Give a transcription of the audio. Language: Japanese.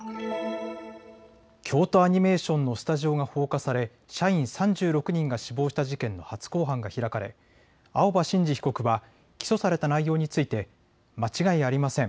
京都アニメーションのスタジオが放火され社員３６人が死亡した事件の初公判が開かれ青葉真司被告は起訴された内容について間違いありません。